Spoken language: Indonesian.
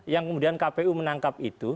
yang kemudian kpu menangkap itu